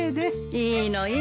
いいのいいの。